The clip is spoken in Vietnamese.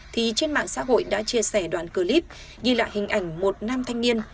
thì trên mạng xã hội đã chia sẻ đoạn clip ghi lại hình ảnh một nam thanh niên